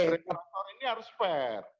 ini harus fair